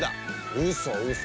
うそうそ。